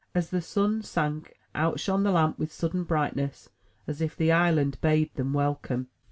As the sun sunk, out shone the lamp with sudden brightness, as if the island bade them welcome.